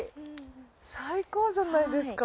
最高じゃないですか。